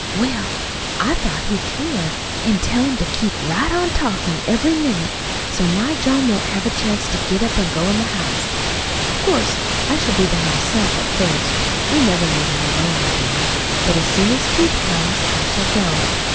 "Well, I thought he could. An' tell him to keep right on talkin' every minute so my John won't have a chance to get up an' go into the house. Of course, I shall be there myself, at first. We never leave him alone, you know. But as soon as Keith comes, I shall go.